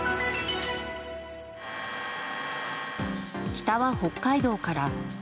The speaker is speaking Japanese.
北は北海道から。